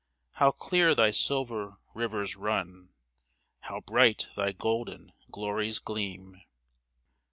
How clear thy silver rivers run, How bright thy golden glories gleam